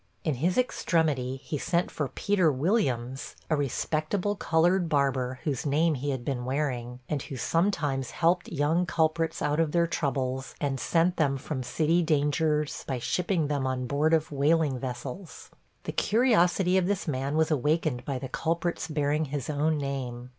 In his extremity, he sent for Peter Williams, a respectable colored barber, whose name he had been wearing, and who sometimes helped young culprits out of their troubles, and sent them from city dangers, by shipping them on board of whaling vessels. The curiosity of this man was awakened by the culprit's bearing his own name.